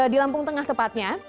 di lampung tengah tepatnya